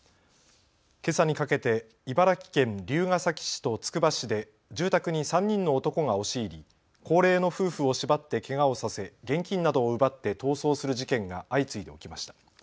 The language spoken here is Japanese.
けさにかけて茨城県龍ケ崎市とつくば市で住宅に３人の男が押し入り、高齢の夫婦を縛ってけがをさせ現金などを奪って逃走する事件が相次いで起きました。